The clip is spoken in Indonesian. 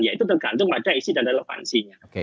ya itu tergantung pada isi dan relevansinya